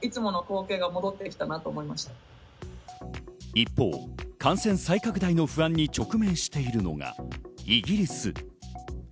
一方、感染再拡大の不安に直面しているのがイギリス。